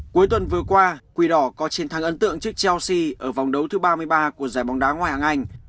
cuối tuần vừa qua quỳ đỏ có chiến thắng ấn tượng trước chelsea ở vòng đấu thứ ba mươi ba của giải bóng đá ngoài hoàng anh